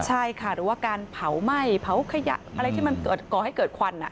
ใช่ค่ะหรือว่าการเผาไหม้เผาขยะอะไรที่มันเกิดก่อให้เกิดควัน